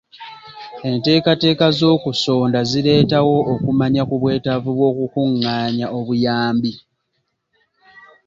Enteekateeka z'okusonda zireetawo okumanya ku bwetaavu bw'okukungaanya obuyambi.